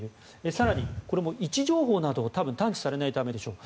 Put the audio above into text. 更に、これも位置情報などを探知されないためでしょう。